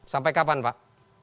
sampai kapan pak